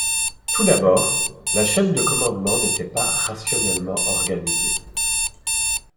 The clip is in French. Tout d'abord, la chaîne de commandement n'était pas rationnellement organisée.